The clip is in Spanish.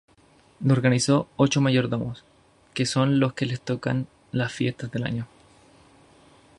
Lo organizan ocho mayordomos, que son los que les tocan las fiestas del año.